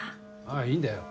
ああいいんだよ。